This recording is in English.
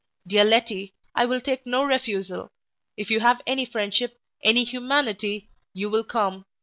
Dear Letty, I will take no refusal if you have any friendship any humanity you will come.